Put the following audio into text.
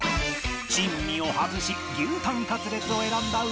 珍味を外し牛舌カツレツを選んだ梅沢